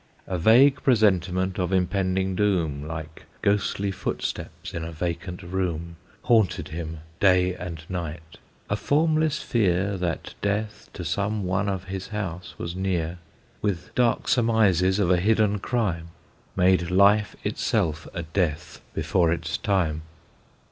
A vague presentiment of impending doom, Like ghostly footsteps in a vacant room, Haunted him day and night; a formless fear That death to some one of his house was near, With dark surmises of a hidden crime, Made life itself a death before its time.